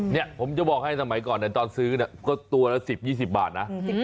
เนี่ยผมจะบอกให้สมัยก่อนตอนซื้อเนี่ยก็ตัวละ๑๐๒๐บาทนะ